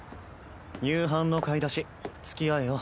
夕飯の買い出しつきあえよ。